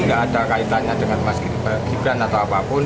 tidak kaitannya dengan mas gibran atau apapun